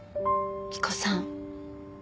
着子さん